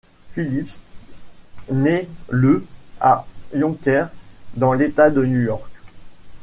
Phillips naît le à Yonkers, dans l'État de New York.